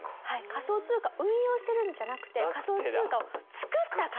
仮想通貨を運用してるんじゃなくて仮想通貨を作った方。